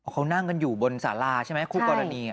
เขานั่งกันอยู่บนสาราใช่ไหมคู่กรณี